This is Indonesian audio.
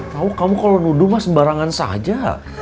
tau kamu kalo nuduh mas barangan saja